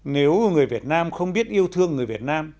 nếu người việt nam không biết yêu thương người việt nam